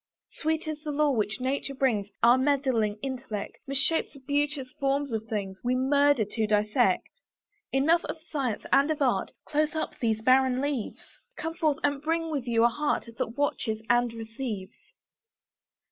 Sweet is the lore which nature brings; Our meddling intellect Misshapes the beauteous forms of things; We murder to dissect. Enough of science and of art; Close up these barren leaves; Come forth, and bring with you a heart That watches and receives.